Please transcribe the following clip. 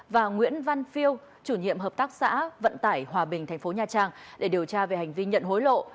và nguyễn văn phiêu chủ nhiệm hợp tác xã vận tải hòa bình thành phố nha trang để điều tra về hành vi nhận hối lộ